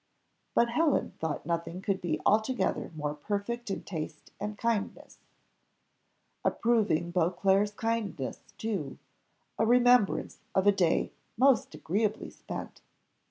But Helen thought nothing could be altogether more perfect in taste and in kindness approving Beauclerc's kindness too a remembrance of a day most agreeably spent.